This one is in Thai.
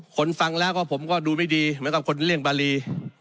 ฟังแล้วก็ผมก็ดูไม่ดีเหมือนกับคนเลี่ยงบารี